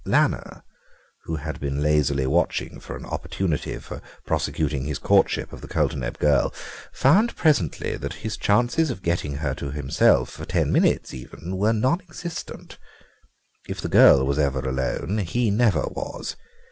Lanner, who had been lazily watching for an opportunity for prosecuting his courtship of the Coulterneb girl, found presently that his chances of getting her to himself for ten minutes even were non existent. If the girl was ever alone he never was.